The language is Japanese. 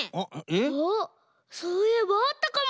あっそういえばあったかも。